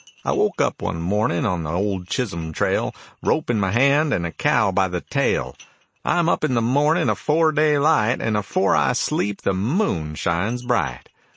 I woke up one morning on the old Chisholm trail, Rope in my hand and a cow by the tail. I'm up in the mornin' afore daylight And afore I sleep the moon shines bright.